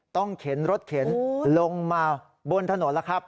เข็นรถเข็นลงมาบนถนนแล้วครับ